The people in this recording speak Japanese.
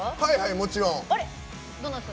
もちろん！